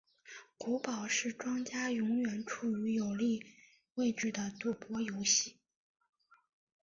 骰宝是庄家永远处于有利位置的赌博游戏。